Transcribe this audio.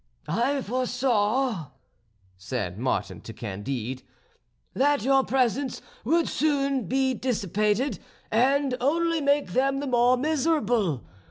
"I foresaw," said Martin to Candide, "that your presents would soon be dissipated, and only make them the more miserable.